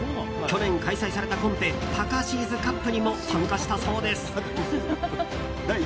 去年開催されたコンペタカシーズカップにも参加したそうです。